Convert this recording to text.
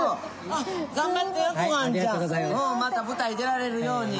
また舞台出られるように。